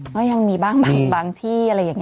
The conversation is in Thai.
ก็ยังมีบ้างที่อะไรอย่างนี้ค่ะ